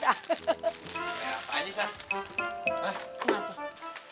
bayar apa saja sah